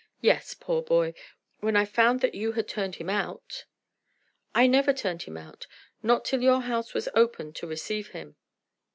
"Yes, poor boy! when I found that you had turned him out." "I never turned him out, not till your house was open to receive him."